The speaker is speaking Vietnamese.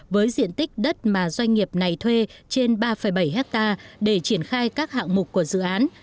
với diện tích đất mà doanh nghiệp này thuê trên ba bảy hectare để triển khai các hạng mục của dự án